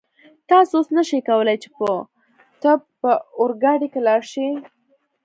تاسو اوس نشئ کولای چې بو ته په اورګاډي کې لاړ شئ.